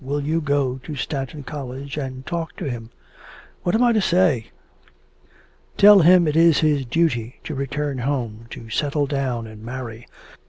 Will you go to Stanton College and talk to him?' 'What am I to say?' 'Tell him it is his duty to return home, to settle down and marry.'